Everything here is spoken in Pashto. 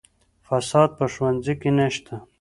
فساد په ښوونځي کې نشته.